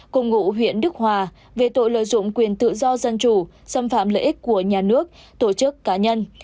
cùng ngụ huyện đức hòa về tội lợi dụng quyền tự do dân chủ xâm phạm lợi ích của nhà nước tổ chức cá nhân